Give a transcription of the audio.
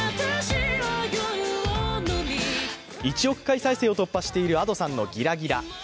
１億回再生を突破しているＡｄｏさんの「ギラギラ」。